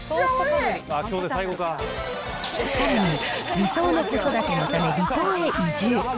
さらに、理想の子育てのため離島へ移住。